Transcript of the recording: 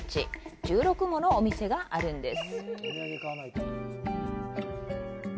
１６ものお店があるんです。